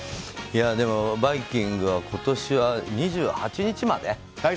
「バイキング」は今年は２８日まで？